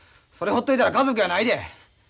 それほっといたら家族やないで！